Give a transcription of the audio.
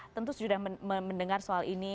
tentu sudah mendengar soal ini